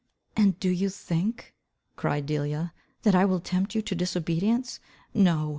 "And do you think," cried Delia, "that I will tempt you to disobedience? No.